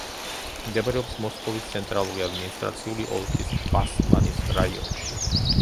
მდებარეობს მოსკოვის ცენტრალური ადმინისტრაციული ოლქის ბასმანის რაიონში.